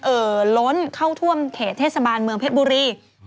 เอ่อล้นเข้าท่วมเขตเทศบาลเมืองเพชรบุรี